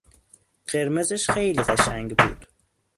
قرمزش خیلی قشنگ بود